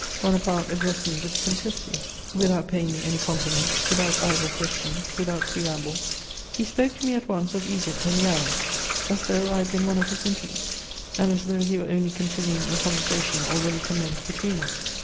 Bonaparte addressed me with simplicity: without paying me any compliments, without idle questions, without preamble, he spoke to me at once of Egypt and the Arabs, as though I had been one of his intimates, and as though he were only continuing a conversation already commenced between us.